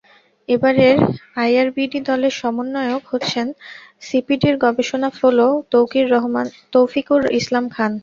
এবারের আইআরবিডি দলের সমন্বয়ক হচ্ছেন সিপিডির গবেষণা ফেলো তৌফিকুল ইসলাম খান।